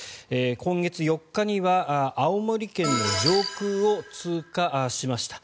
今月４日には青森県の上空を通過しました。